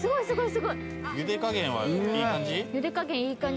すごい！